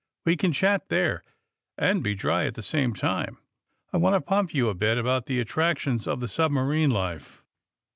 ^^We can chat there and be dry at the same time. I want to pump you a bit about the attractions of the submarine life.''